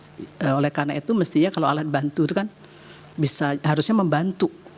nah oleh karena itu mestinya kalau alat bantu itu kan harusnya membantu